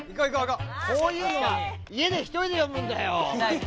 いここういうのは家で１人で読むんだよ